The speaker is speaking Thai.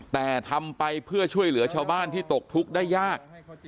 แต่ทำไปเพื่อช่วยเหลือชาวบ้านที่ตกทุกข์ได้ยาก